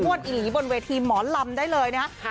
วดอิหรี่บนเวทีหมอนลำได้เลยนะ